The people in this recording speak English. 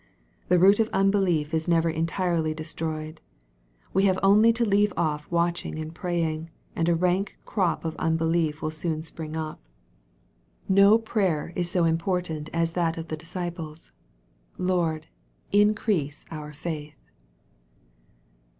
The root of unbelief is never entirely de stroyed. We have only to leave off watching and pray ing, and a rank crop of unbelief will soon spring up. No MARK, CHAP. VI. prayer is so impoitant as that of the disciples, " Lord, increase our faith."